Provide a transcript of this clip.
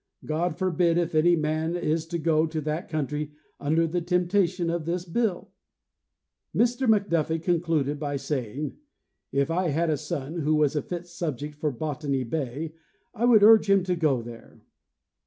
God forbid, if any man is to go to that country under the temptation of this bill?" Mr McDuffie concluded by saying: "If I had a son who was a fit subject for Botany bay, I would urge him to go there."